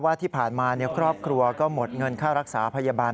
ที่ผ่านมาครอบครัวก็หมดเงินค่ารักษาพยาบาล